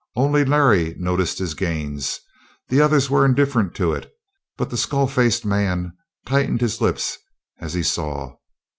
Only Larry noticed his gains the others were indifferent to it, but the skull faced man tightened his lips as he saw.